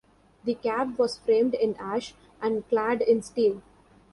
The cab was framed in ash and clad in steel.